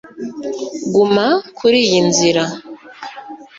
guma kuriyi nzira